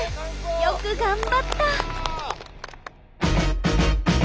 よく頑張った。